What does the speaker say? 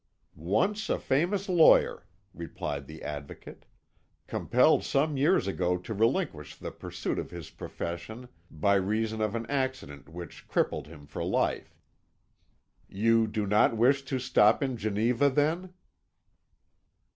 "Once a famous lawyer," replied the Advocate; "compelled some years ago to relinquish the pursuit of his profession by reason of an accident which crippled him for life. You do not wish to stop in Geneva, then?"